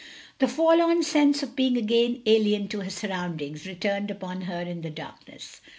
The forlorn sense of being again alien to her surroundings returned upon her in the darkness.